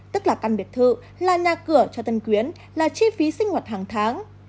tức là căn biệt thự là nhà cửa cho tân quyến là chi phí sinh hoạt hàng tháng